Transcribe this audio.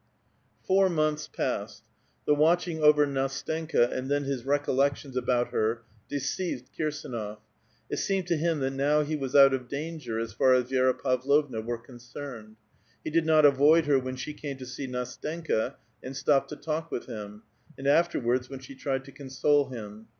Four months passed. The watching over Ndstenka and then his recollections about her deceived Kirsdnof ; it seemed to bim that now he was out of danger as far as Vi^ra Pav lovna were concerned ; he did not avoid her when she came to see Ndsteuka and stopped to talk with him ; and after wards when she tried to console him.